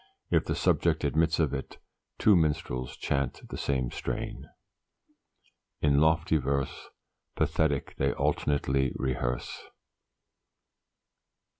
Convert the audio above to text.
If the subject admits of it, two minstrels chant the same strain 'In lofty verse 'Pathetic they alternately rehearse.